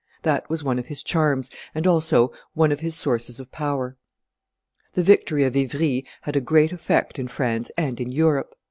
That was one of his charms, and also one of his sources of power. The victory of Ivry had a great effect in France and in Europe.